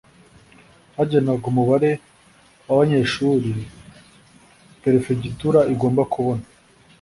hagenwaga umubare w'abanyeshuri perefegitura igomba kubona